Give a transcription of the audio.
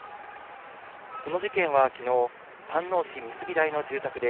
この事件はきのう、飯能市美杉台の住宅で、